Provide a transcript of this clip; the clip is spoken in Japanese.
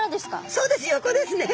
そうです横ですね。